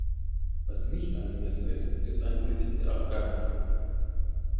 Was nicht angemessen ist, ist eine Politik der Arroganz.